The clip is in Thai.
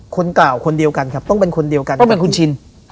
คนกล่าวคนเดียวกันครับต้องเป็นคนเดียวกันต้องเป็นคุณชิน